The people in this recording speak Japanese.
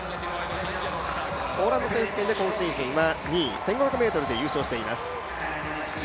ポーランド選手権で今シーズンは２位１５００ｍで優勝しています。